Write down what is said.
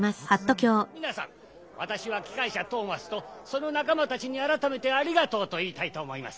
皆さん私は機関車トーマスとその仲間たちに改めて「ありがとう」と言いたいと思います。